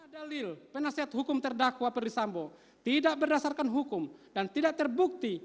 dalil penasihat hukum terdakwa perisambo tidak berdasarkan hukum dan tidak terbukti